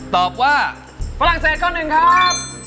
ตอบว่าฝรั่งเศสข้อหนึ่งครับ